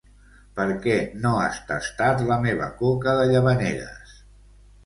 Perquè no has tastat la meva coca de Llavaneres